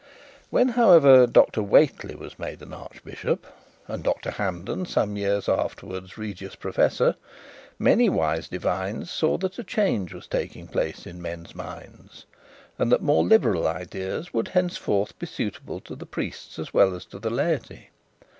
When, however, Dr Whately was made an archbishop, and Dr Hampden some years afterwards regius professor, many wise divines saw that a change was taking place in men's minds, and that more liberal ideas would henceforward be suitable to the priests as well as to the laity.